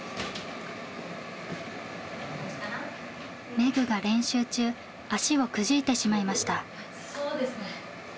Ｍｅｇｕが練習中足をくじいてしまいました。